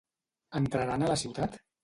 Entraran a la ciutat?